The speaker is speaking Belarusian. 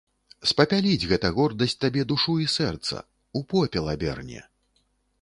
Спапяліць гэта гордасць табе душу і сэрца, у попел аберне.